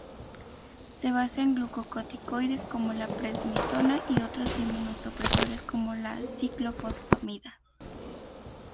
Se basa en glucocorticoides como la prednisona; y otros inmunosupresores como la ciclofosfamida.